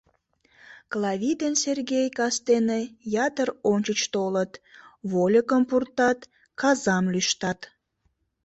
Клави ден Сергей кастене ятыр ончыч толыт, вольыкым пуртат, казам лӱштат.